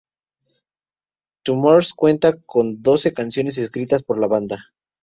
To mars cuenta con doce canciones escritas por la banda.